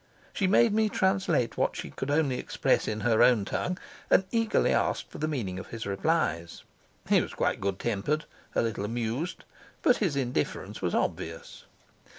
She made me translate what she could only express in her own tongue, and eagerly asked for the meaning of his replies. He was quite good tempered, a little amused, but his indifference was obvious.